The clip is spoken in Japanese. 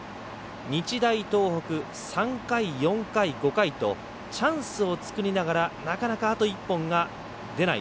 日大東北、３回、４回、５回とチャンスを作りながらなかなか、あと１本が出ない。